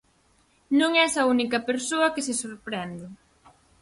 Non es a única persoa que se sorprende.